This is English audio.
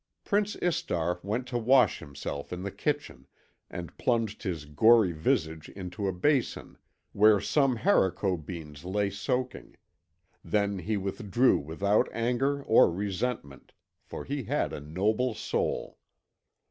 Prince Istar went to wash himself in the kitchen, and plunged his gory visage into a basin where some haricot beans lay soaking; then he withdrew without anger or resentment, for he had a noble soul.